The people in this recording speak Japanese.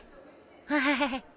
ハハハハ。